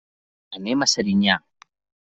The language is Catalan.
Anem a Serinyà.